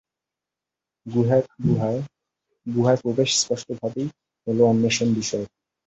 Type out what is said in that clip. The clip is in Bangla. গুহায় প্রবেশ স্পষ্টভাবেই হল অন্বেষণ বিষয়ক।